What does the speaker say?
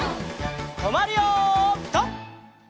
とまるよピタ！